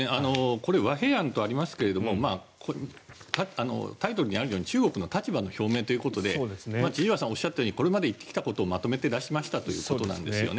これは和平案とありますがタイトルにあるように中国の立場の表明ということで千々岩さんがおっしゃったようにこれまで言ってきたことをまとめて出しましたということなんですね。